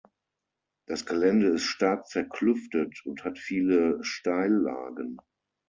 Das Gelände ist stark zerklüftet und hat viele Steillagen.